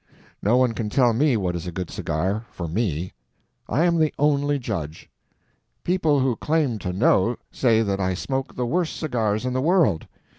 No one can tell me what is a good cigar—for me. I am the only judge. People who claim to know say that I smoke the worst cigars in the world.